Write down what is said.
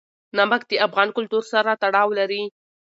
نمک د افغان کلتور سره تړاو لري.